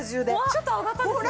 ちょっと上がったんですよ！